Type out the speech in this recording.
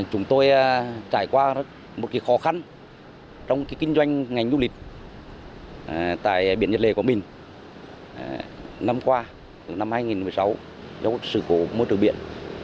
chúng tôi trải qua một khó khăn trong kinh doanh ngành du lịch tại biển nhật lệ quảng bình năm qua năm hai nghìn một mươi sáu do sự cố môi trường biển